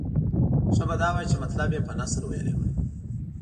ښه به دا وای چې مطلب یې په نثر ویلی وای.